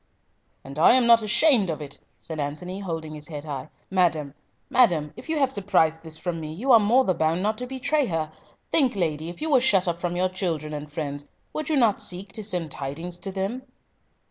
"And I am not ashamed of it," said Antony, holding his head high. "Madam, madam, if you have surprised this from me, you are the more bound not to betray her. Think, lady, if you were shut up from your children and friends, would you not seek to send tidings to them?"